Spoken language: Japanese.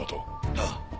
ああ。